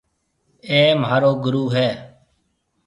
اَي مهارو گُرو هيَ۔